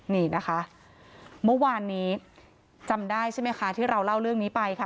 นี่นะคะเมื่อวานนี้จำได้ใช่ไหมคะที่เราเล่าเรื่องนี้ไปค่ะ